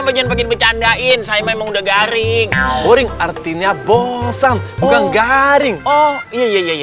mungkin bercandain saya memang udah garing boring artinya bosan bukan garing oh iya